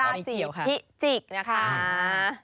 ราศีพิจิกนะคะ